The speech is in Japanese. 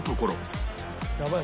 やばい！